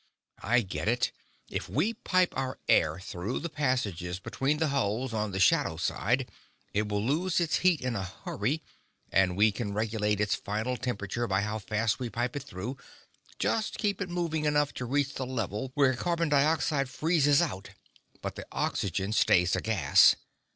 "I get it. If we pipe our air through the passages between the hulls on the shadow side, it will lose its heat in a hurry. And we can regulate its final temperature by how fast we pipe it through just keep it moving enough to reach the level where carbon dioxide freezes out, but the oxygen stays a gas.